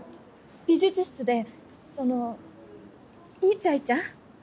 美術室でそのいちゃいちゃ？